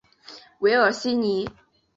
韦尔西尼。